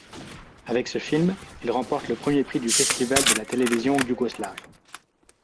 Avec ce film, il remporte le premier prix du Festival de la télévision yougoslave.